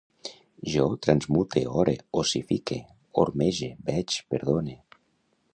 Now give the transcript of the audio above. Jo transmute, ore, ossifique, ormege, veig, perdone